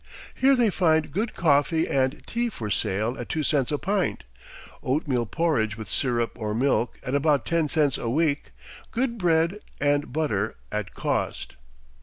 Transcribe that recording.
Here they find good coffee and tea for sale at two cents a pint, oatmeal porridge with syrup or milk at about ten cents a week; good bread and butter at cost.